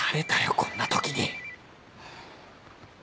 こんな時にハァ。